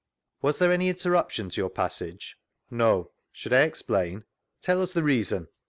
Was there any interruption to your passage? —No. Should I explain? Tell us the reason?